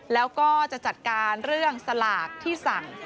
แล้วก็จะจัดการเรื่องสลากที่สั่ง